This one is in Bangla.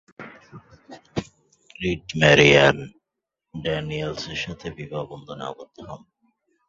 রিড মেরি অ্যান ড্যানিয়েলসের সাথে বিবাহ বন্ধনে আবদ্ধ হন।